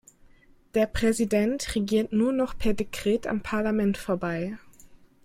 Der Präsident regiert nur noch per Dekret am Parlament vorbei.